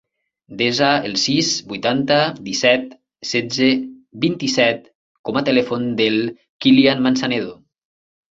Desa el sis, vuitanta, disset, setze, vint-i-set com a telèfon del Kylian Manzanedo.